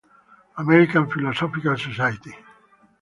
American Philosophical Society